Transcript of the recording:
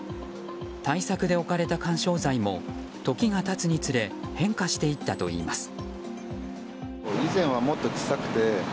対策で置かれた緩衝材も時が経つにつれ変化していったといいます。